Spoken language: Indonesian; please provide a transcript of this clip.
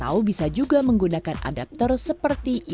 atau bisa juga menggunakan adapter seperti e wallet